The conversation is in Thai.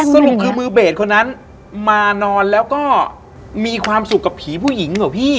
สรุปคือมือเบสคนนั้นมานอนแล้วก็มีความสุขกับผีผู้หญิงเหรอพี่